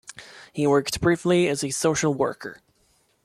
He worked briefly as a social worker.